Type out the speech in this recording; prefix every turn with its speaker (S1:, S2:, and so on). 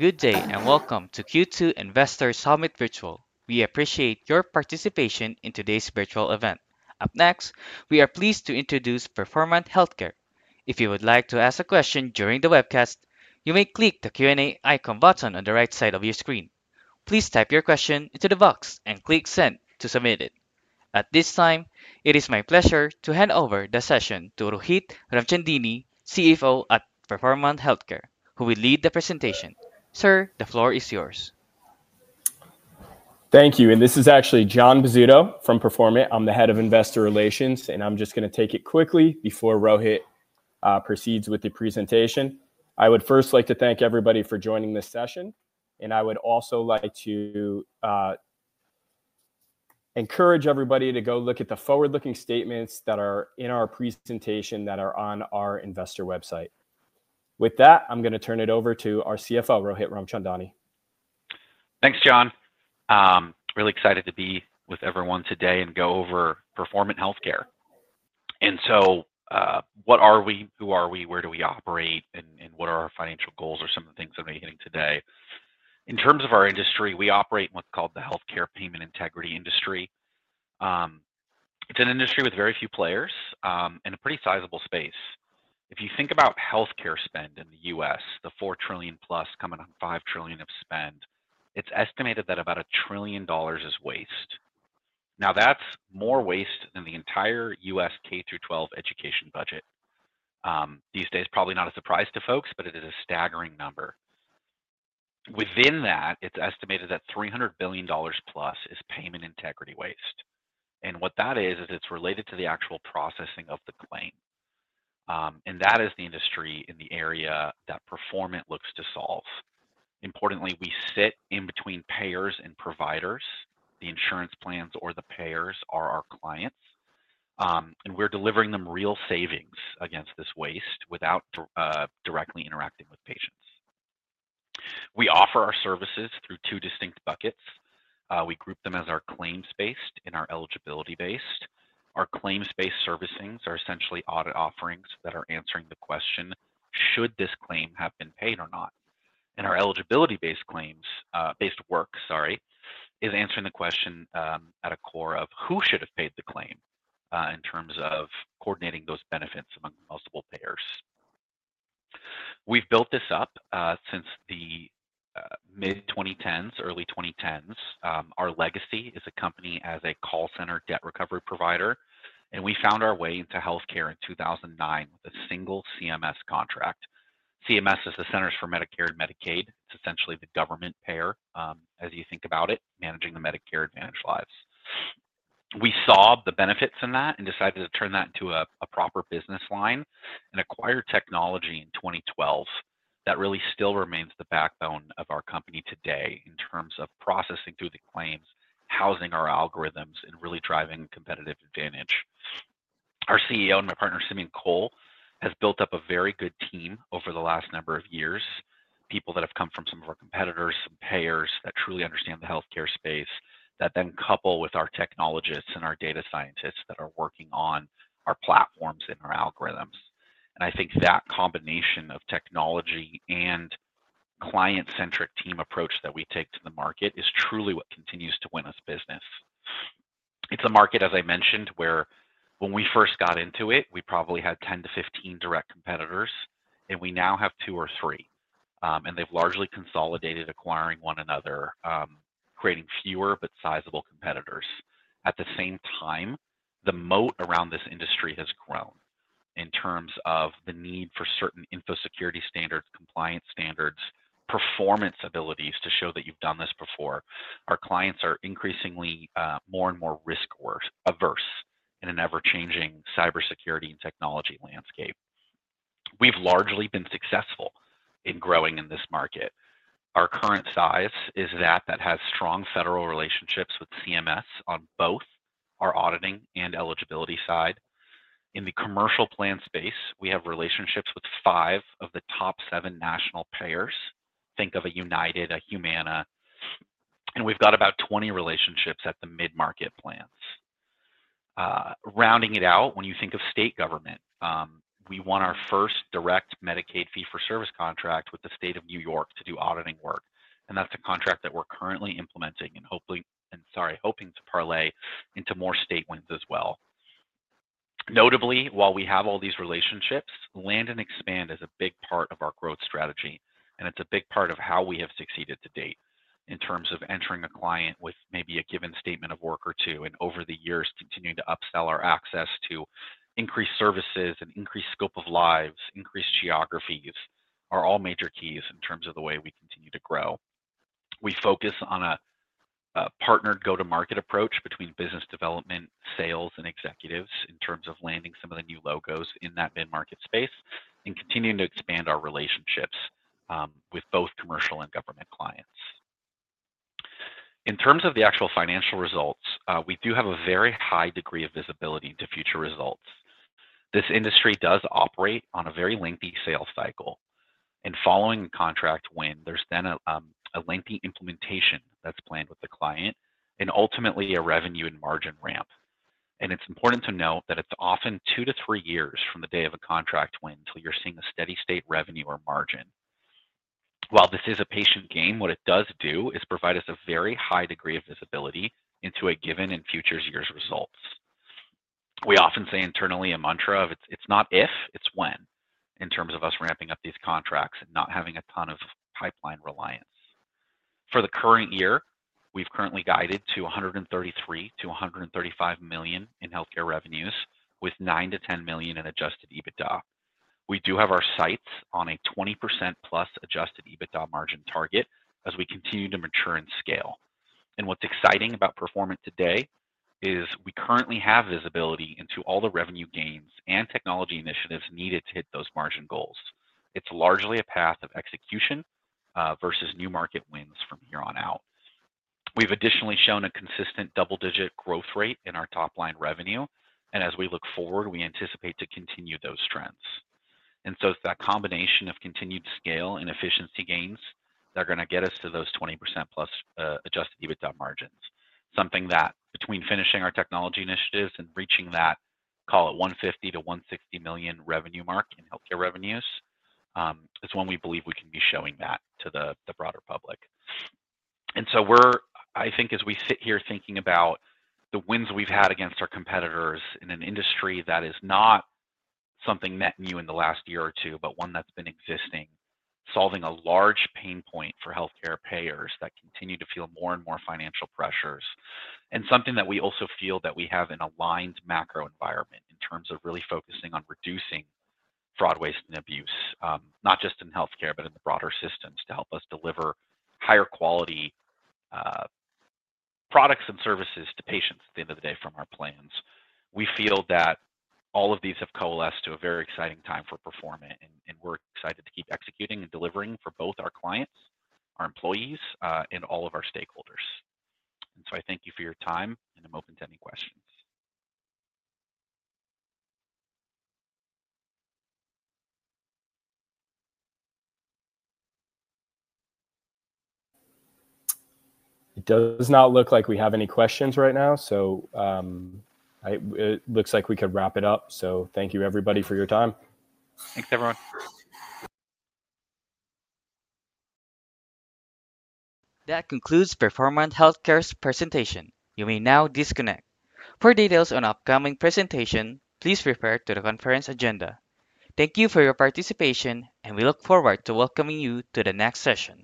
S1: Good day and welcome to Q2 Investor Summit Virtual. We appreciate your participation in today's virtual event. Up next, we are pleased to introduce Performant Healthcare. If you would like to ask a question during the webcast, you may click the Q&A icon button on the right side of your screen. Please type your question into the box and click Send to submit it. At this time, it is my pleasure to hand over the session to Rohit Ramchandani, CFO at Performant Healthcare, who will lead the presentation. Sir, the floor is yours.
S2: Thank you. This is actually Jon Bozzuto from Performant. I'm the Head of Investor Relations, and I'm just going to take it quickly before Rohit proceeds with the presentation. I would first like to thank everybody for joining this session, and I would also like to encourage everybody to go look at the forward-looking statements that are in our presentation that are on our investor website. With that, I'm going to turn it over to our CFO, Rohit Ramchandani.
S3: Thanks, Jon. Really excited to be with everyone today and go over Performant Healthcare. What are we? Who are we? Where do we operate? What are our financial goals or some of the things that we're hitting today? In terms of our industry, we operate in what's called the healthcare payment integrity industry. It's an industry with very few players and a pretty sizable space. If you think about healthcare spend in the U.S., the $4 trillion plus coming on $5 trillion of spend, it's estimated that about $1 trillion is waste. Now, that's more waste than the entire U.S. K through 12 education budget. These days, probably not a surprise to folks, but it is a staggering number. Within that, it's estimated that $300 billion plus is payment integrity waste. What that is, is it's related to the actual processing of the claim. That is the industry in the area that Performant looks to solve. Importantly, we sit in between payers and providers. The insurance plans or the payers are our clients. We are delivering them real savings against this waste without directly interacting with patients. We offer our services through two distinct buckets. We group them as our claims-based and our eligibility-based. Our claims-based servicings are essentially audit offerings that are answering the question, should this claim have been paid or not? Our eligibility-based work, sorry, is answering the question at a core of who should have paid the claim in terms of coordinating those benefits among multiple payers. We have built this up since the mid-2010s, early 2010s. Our legacy is a company as a call center debt recovery provider. We found our way into healthcare in 2009 with a single CMS contract. CMS is the Centers for Medicare and Medicaid. It's essentially the government payer, as you think about it, managing the Medicare Advantage lives. We saw the benefits in that and decided to turn that into a proper business line and acquired technology in 2012 that really still remains the backbone of our company today in terms of processing through the claims, housing our algorithms, and really driving competitive advantage. Our CEO and my partner, Simeon Kohl, has built up a very good team over the last number of years, people that have come from some of our competitors, some payers that truly understand the healthcare space, that then couple with our technologists and our data scientists that are working on our platforms and our algorithms. I think that combination of technology and client-centric team approach that we take to the market is truly what continues to win us business. It's a market, as I mentioned, where when we first got into it, we probably had 10-15 direct competitors, and we now have two or three. They've largely consolidated, acquiring one another, creating fewer but sizable competitors. At the same time, the moat around this industry has grown in terms of the need for certain infosecurity standards, compliance standards, performance abilities to show that you've done this before. Our clients are increasingly more and more risk-averse in an ever-changing cybersecurity and technology landscape. We've largely been successful in growing in this market. Our current size is that that has strong federal relationships with CMS on both our auditing and eligibility side. In the commercial plan space, we have relationships with five of the top seven national payers. Think of a United, a Humana. We've got about 20 relationships at the mid-market plans. Rounding it out, when you think of state government, we won our first direct Medicaid fee-for-service contract with the state of New York to do auditing work. That is a contract that we're currently implementing and hoping to parlay into more state wins as well. Notably, while we have all these relationships, land and expand is a big part of our growth strategy. It is a big part of how we have succeeded to date in terms of entering a client with maybe a given statement of work or two. Over the years, continuing to upsell our access to increased services and increased scope of lives, increased geographies are all major keys in terms of the way we continue to grow. We focus on a partnered go-to-market approach between business development, sales, and executives in terms of landing some of the new logos in that mid-market space and continuing to expand our relationships with both commercial and government clients. In terms of the actual financial results, we do have a very high degree of visibility into future results. This industry does operate on a very lengthy sales cycle. Following a contract win, there's then a lengthy implementation that's planned with the client and ultimately a revenue and margin ramp. It's important to note that it's often two to three years from the day of a contract win until you're seeing a steady state revenue or margin. While this is a patient game, what it does do is provide us a very high degree of visibility into a given and future year's results. We often say internally a mantra of, "It's not if, it's when," in terms of us ramping up these contracts and not having a ton of pipeline reliance. For the current year, we've currently guided to $133 million-$135 million in healthcare revenues with $9 million-$10 million in Adjusted EBITDA. We do have our sights on a 20%+ Adjusted EBITDA margin target as we continue to mature and scale. What's exciting about Performant today is we currently have visibility into all the revenue gains and technology initiatives needed to hit those margin goals. It's largely a path of execution versus new market wins from here on out. We've additionally shown a consistent double-digit growth rate in our top-line revenue. As we look forward, we anticipate to continue those trends. It is that combination of continued scale and efficiency gains that are going to get us to those 20%+ Adjusted EBITDA margins. Something that, between finishing our technology initiatives and reaching that, call it $150 million-$160 million revenue mark in healthcare revenues, is when we believe we can be showing that to the broader public. I think, as we sit here thinking about the wins we have had against our competitors in an industry that is not something net new in the last year or two, but one that has been existing, solving a large pain point for healthcare payers that continue to feel more and more financial pressures. Something that we also feel is that we have an aligned macro environment in terms of really focusing on reducing fraud, waste, and abuse, not just in healthcare, but in the broader systems to help us deliver higher quality products and services to patients at the end of the day from our plans. We feel that all of these have coalesced to a very exciting time for Performant. We are excited to keep executing and delivering for both our clients, our employees, and all of our stakeholders. I thank you for your time, and I am open to any questions.
S2: It does not look like we have any questions right now. It looks like we could wrap it up. Thank you, everybody, for your time.
S3: Thanks, everyone.
S1: That concludes Performant Healthcare's presentation. You may now disconnect. For details on upcoming presentations, please refer to the conference agenda. Thank you for your participation, and we look forward to welcoming you to the next session.